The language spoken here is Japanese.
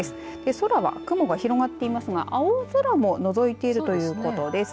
空は雲が広がっていますが青空ものぞいているということです。